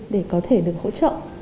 để có thể được hỗ trợ